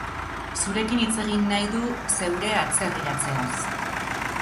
Zurekin hitz egin nahi du zeure atzerriratzeaz.